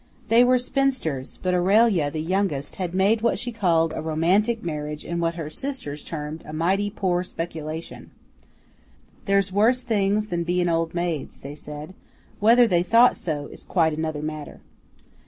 They were spinsters; but Aurelia, the youngest, had made what she called a romantic marriage and what her sisters termed a mighty poor speculation. "There's worse things than bein' old maids," they said; whether they thought so is quite another matter.